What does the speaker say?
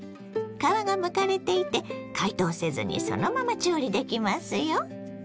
皮がむかれていて解凍せずにそのまま調理できますよ。